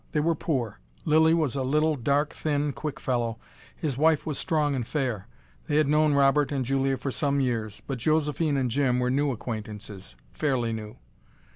They were poor. Lilly was a little, dark, thin, quick fellow, his wife was strong and fair. They had known Robert and Julia for some years, but Josephine and Jim were new acquaintances, fairly new.